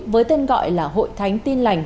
với tên gọi là hội thánh tin lành